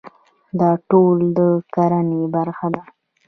دا ټول د کرنې برخه ده.